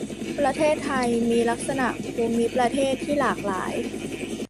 ประเทศไทยมีลักษณะภูมิประเทศที่หลากหลาย